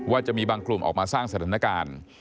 จะมีบางกลุ่มออกมาสร้างสถานการณ์